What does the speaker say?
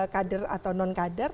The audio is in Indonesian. kader atau non kader